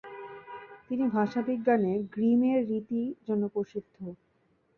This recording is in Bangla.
তিনি ভাষাবিজ্ঞানে গ্রিমের রীতির জন্য প্রসিদ্ধ।